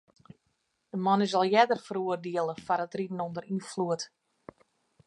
De man is al earder feroardiele foar it riden ûnder ynfloed.